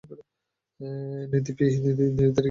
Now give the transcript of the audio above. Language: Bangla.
নৃপদিদি, নীরদিদি– কী বল ভাই!